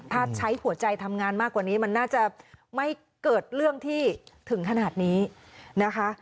ถ้าใช้หัวใจทำงานมากกว่านี้มันน่าจะไม่เกิดเรื่องที่ถึงขนาดนี้นะคะ